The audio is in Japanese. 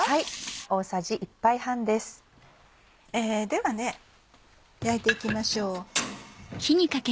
では焼いて行きましょう。